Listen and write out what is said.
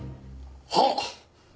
はっ！